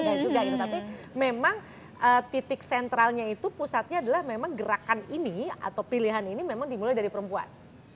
tidak juga gitu tapi memang titik sentralnya itu pusatnya adalah memang gerakan ini atau pilihan ini memang dimulai dari perempuan